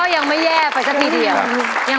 ก็ยังไม่แย่ไปสักปีเดียว